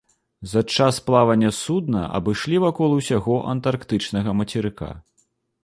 За час плавання судна абышлі вакол усяго антарктычнага мацерыка.